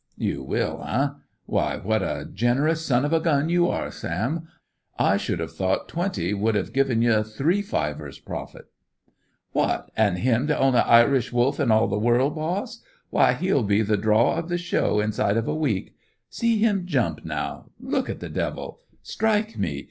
"You will, eh? Why, what a generous son of a gun you are, Sam! I should've thought twenty would've given you three fivers profit." "What, an' him the only Irish Wolf in all the world, boss! Why he'll be the draw of the show inside of a week. See him jump, now! Look at the devil! Strike me!